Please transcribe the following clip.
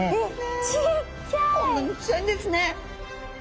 こんなにちっちゃいんですね。